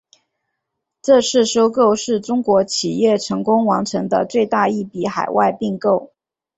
这次收购是中国企业成功完成的最大一笔海外并购。